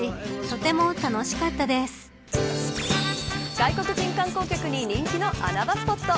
外国人観光客に人気の穴場スポット。